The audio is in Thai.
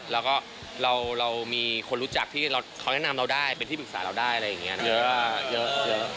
แล้วก็เรามีคนรู้จักที่เขาแนะนำเราได้เป็นที่ปรึกษาเราได้อะไรอย่างนี้เยอะ